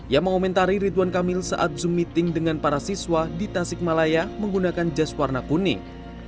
ia mengomentari rituan kamil saat zoom meeting dengan para siswa di tasik malaya menggunakan jas warna kuning